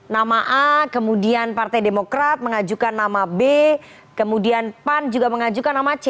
nama a kemudian partai demokrat mengajukan nama b kemudian pan juga mengajukan nama c